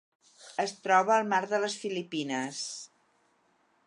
Es troba al Mar de les Filipines.